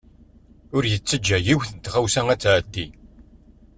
Ur yettaǧa yiwet n tɣawsa ad t-tɛeddi.